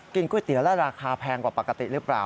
ก๋วยเตี๋ยวแล้วราคาแพงกว่าปกติหรือเปล่า